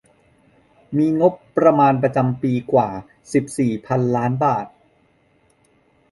มีงบประมาณประจำปีกว่า สิบสี่ พันล้านบาท